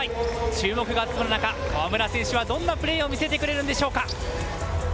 注目が集まる中、河村選手はどんなプレーを見せてくれるんでしょうか。